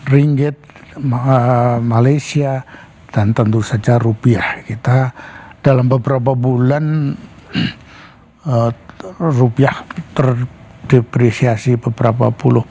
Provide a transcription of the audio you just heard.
ringgit malaysia dan tentu saja rupiah kita dalam beberapa bulan rupiah terdepresiasi beberapa puluh